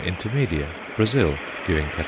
intermedia_, Brazil, giving _Catt.